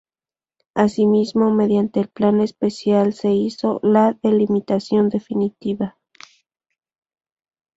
Asimismo, mediante el Plan especial se hizo la delimitación definitiva.